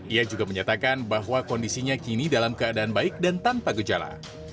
ia juga menyatakan bahwa kondisinya kini dalam keadaan baik dan tanpa gejala